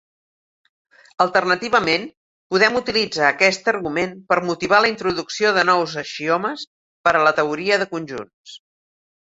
Alternativament, podem utilitzar aquest argument per motivar la introducció de nous axiomes per a la teoria de conjunts.